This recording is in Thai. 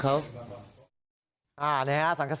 เราทำไปเพื่ออะไร๖โรงเรียน